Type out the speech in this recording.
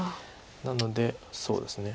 なのでそうですね。